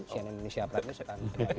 sian indonesia pratis akan kembali